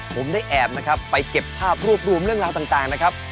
ผมได้แอบนะครับไปเก็บภาพรวบรวมเรื่องราวต่างนะครับ